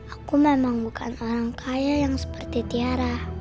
aku memang bukan orang kaya yang seperti tiara